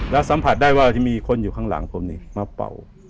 แล้วสัมผัสได้ว่าที่มีคนอยู่ข้างหลังผมนี่มาเป่า